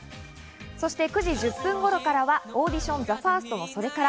そして９時１０分頃からはオーディション「ＴＨＥＦＩＲＳＴそれから」